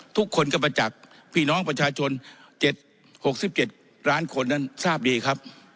ทุกคนก็มาจากพี่น้องประชาชน๗๖๗ล้านคนนั้นทราบดีครับ